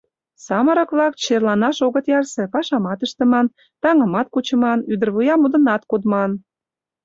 — Самырык-влак черланаш огыт ярсе: пашамат ыштыман, таҥымат кучыман, ӱдырвуя модынат кодман.